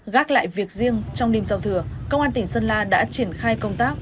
gác lại việc riêng trong đêm sau thừa công an tỉnh sơn la đã triển khai công tác